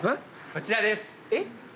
こちらです。